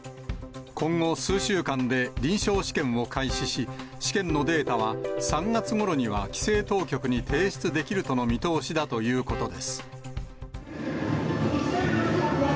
今後数週間で臨床試験を開始し、試験のデータは、３月ごろには規制当局に提出できるとの見通しだということです。